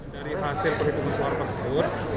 dari hasil penghitungan suara tersebut